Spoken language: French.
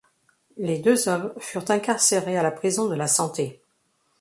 Les deux hommes furent incarcérés à la prison de la Santé.